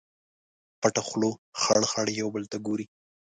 پټه خوله خړ، خړ یو بل ته ګوري